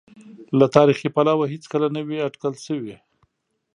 له تاریخي پلوه هېڅکله نه وې اټکل شوې.